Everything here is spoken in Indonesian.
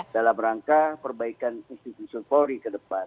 dalam rangka perbaikan institusi polri ke depan